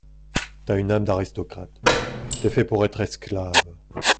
T’as une âme d’aristocrate, t’es fait pour être esclave.